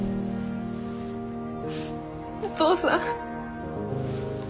お父さん。